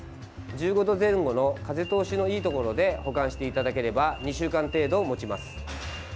１５度前後の風通しのいいところで保管していただければ２週間程度もちます。